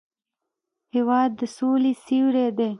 هېواد د سولې سیوری دی.